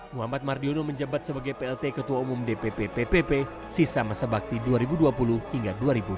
muhammad mardiono menjabat sebagai plt ketua umum dpp ppp sisa masa bakti dua ribu dua puluh hingga dua ribu dua puluh